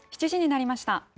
７時になりました。